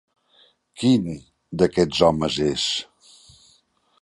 Quin d'aquests homes és?